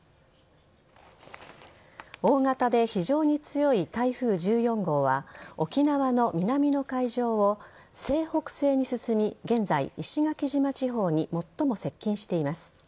大型で非常に強い台風１４号は沖縄の南の海上を西北西に進み現在、石垣島地方に最も接近しています。